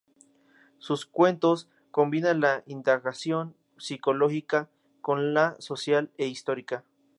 Sus cuentos combinan la indagación psicológica con la social e histórica.